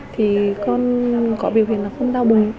thì con có biểu hiện là không đau bụng